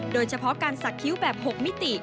โดยเฉพาะการสักคิ้วแบบ๖มิติ